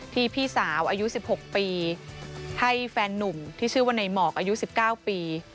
พี่สาวอายุ๑๖ปีให้แฟนนุ่มที่ชื่อว่าในหมอกอายุ๑๙ปี